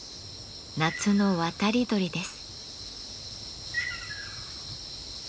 夏の渡り鳥です。